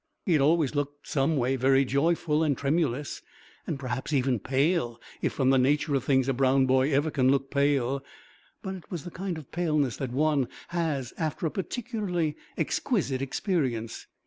He had always looked some way very joyful and tremulous and perhaps even pale if from the nature of things a brown boy ever can look pale. But it was the kind of paleness that one has after a particularly exquisite experience.